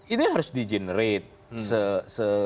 ini harus di generate